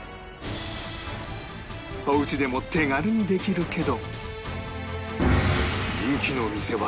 お家でも手軽にできるけど